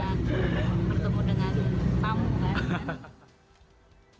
pertemu dengan tamu kan